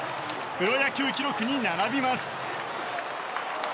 プロ野球記録に並びます。